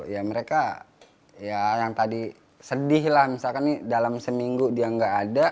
ya mereka ya yang tadi sedih lah misalkan dalam seminggu dia nggak ada